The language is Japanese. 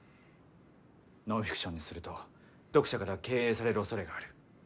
ノンフィクションにすると読者から敬遠されるおそれがある。